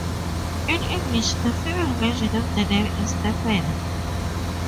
In English, the female version of the name is "Stephanie".